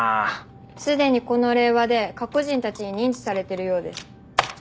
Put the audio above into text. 既にこの令和で過去人たちに認知されてるようです。